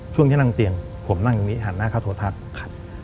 ช่วงที่นั่งเตียงผมนั่งตรงนี้หันหน้าเข้าโทรทัศน์ครับ